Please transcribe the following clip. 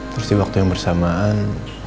terus di waktu yang bersamaan